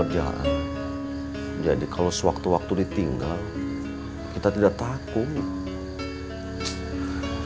jadi kalau sewaktu waktu ditinggal kita tidak takut